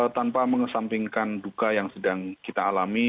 tanpa mengesampingkan duka yang sedang kita alami